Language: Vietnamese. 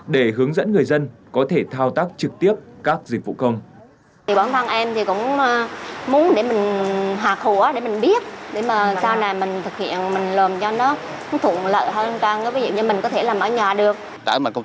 để hướng dẫn người dân có thể thao tác trực tiếp các dịch vụ công